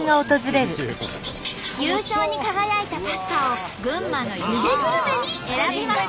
優勝に輝いたパスタを群馬の湯気グルメに選びます。